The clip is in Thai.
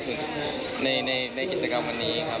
คือในกิจกรรมวันนี้ครับ